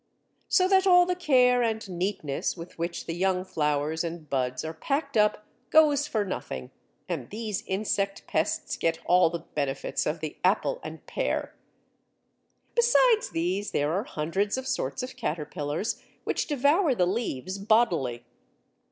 So that all the care and neatness with which the young flowers and buds are packed up goes for nothing, and these insect pests get all the benefits of the apple and pear! Besides these, there are hundreds of sorts of caterpillars which devour the leaves bodily.